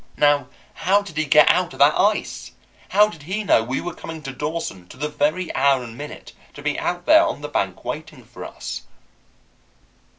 Now how did he get out of that ice? How did he know we were coming to Dawson, to the very hour and minute, to be out there on the bank waiting for us?